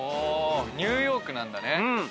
ニューヨークなんだね。